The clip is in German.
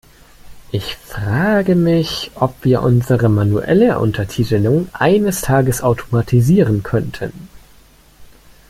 Ich frage mich, ob wir unsere manuelle Untertitelung eines Tages automatisieren könnten.